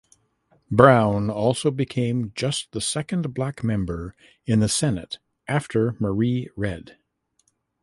Brown also became just the second Black member in the Senate after Marie Redd.